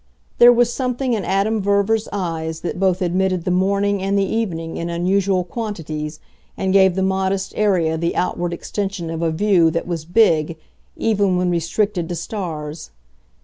There was something in Adam Verver's eyes that both admitted the morning and the evening in unusual quantities and gave the modest area the outward extension of a view that was "big" even when restricted to stars.